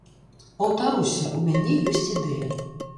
Паўтаруся, у мяне ёсць ідэя.